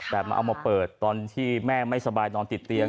แต่มันเอามาเปิดตอนที่แม่ไม่สบายนอนติดเตียง